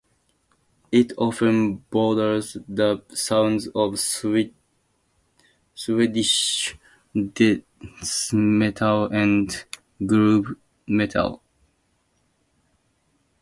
It often borders the sounds of Swedish death metal and groove metal.